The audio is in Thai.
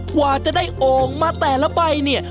กว่าจะได้โอ่งมาแต่ละใบเนี่ย